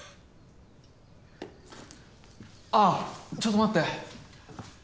あちょっと待って。